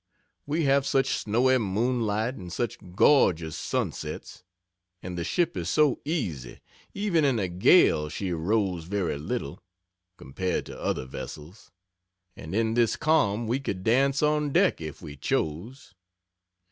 We have such snowy moonlight, and such gorgeous sunsets. And the ship is so easy even in a gale she rolls very little, compared to other vessels and in this calm we could dance on deck, if we chose.